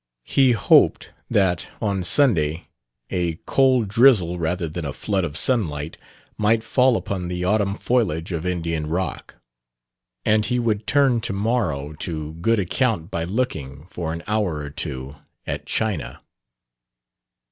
He hoped that, on Sunday, a cold drizzle rather than a flood of sunlight might fall upon the autumn foliage of Indian Rock. And he would turn to morrow to good account by looking, for an hour or two, at china.